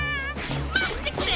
まってくれ！